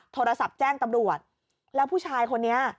โทรศัพท์แจ้งตำรวจแล้วผู้ชายคนนี้